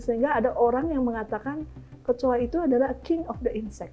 sehingga ada orang yang mengatakan kecuali itu adalah king of the insex